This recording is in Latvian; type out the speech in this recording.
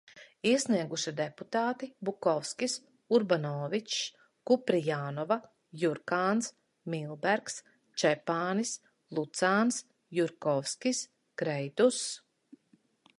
Iesnieguši deputāti Bukovskis, Urbanovičs, Kuprijanova, Jurkāns, Milbergs, Čepānis, Lucāns, Jurkovskis, Kreituss, Bartaševičs.